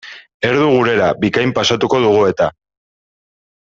Erdu gurera bikain pasatuko dugu eta.